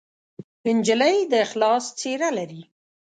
نجلۍ د اخلاص څېره لري.